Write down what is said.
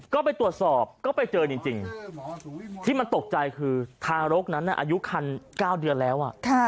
ก็ไปตรวจสอบก็ไปเจอจริงที่มันตกใจคือทารกนั้นอายุคัน๙เดือนแล้ว